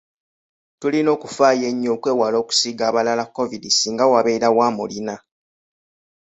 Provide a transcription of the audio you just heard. Tulina okufayo enyo okwewala okusiiga abalala Covid singa wabeerawo amulina.